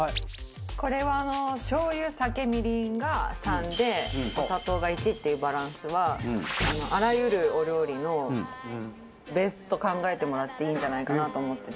これはしょう油酒みりんが３でお砂糖が１っていうバランスはあらゆるお料理のベースと考えてもらっていいんじゃないかなと思ってて。